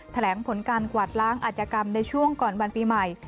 แถลงผลการกวาดล้างอัธยกรรมในช่วงก่อนวันปีใหม่